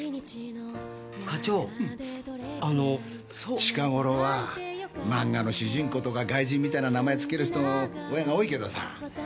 課長あの近頃は漫画の主人公とか外人みたいな名前付ける親が多いけどさいや